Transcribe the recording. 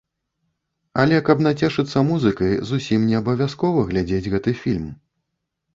Але, каб нацешыцца музыкай, зусім не абавязкова глядзець гэты фільм.